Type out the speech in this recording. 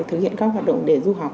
để thực hiện các hoạt động để du học